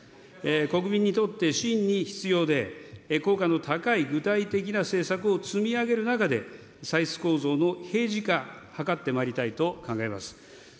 国民にとって真に必要で効果の高い具体的な政策を積み上げる中で、歳出構造の平時化図ってまいりたいと考えます。